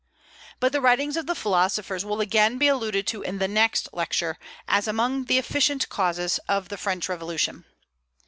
But the writings of the philosophers will again be alluded to in the next lecture, as among the efficient causes of the French Revolution.